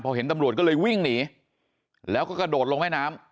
พอเห็นตำรวจก็เลยวิ่งหนีแล้วก็กระโดดลงแม่น้ำ